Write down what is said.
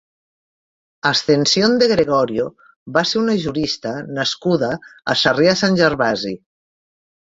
Ascensión de Gregorio va ser una jurista nascuda a Sarrià - Sant Gervasi.